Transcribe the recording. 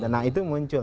nah itu muncul